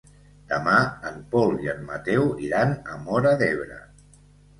Demà en Pol i en Mateu iran a Móra d'Ebre.